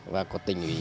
và có tình ý